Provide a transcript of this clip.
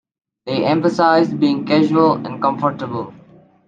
They emphasize being casual and comfortable.